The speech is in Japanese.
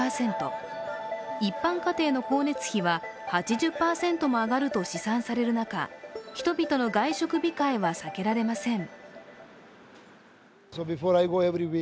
一般家庭の光熱費は８０％も上がると試算される中、人々の外食控えは避けられません。